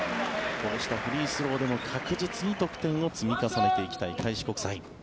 こうしたフリースローでも確実に得点を積み重ねていきたい開志国際。